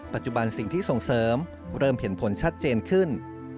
ปัจจุบันสิ่งที่ส่งเสริมเริ่มเห็นผลชัดเจนขึ้น